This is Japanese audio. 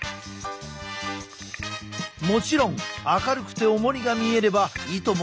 もちろん明るくておもりが見えればいとも